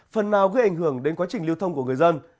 phần nào gây ảnh hưởng đến quá trình lưu thông của người dân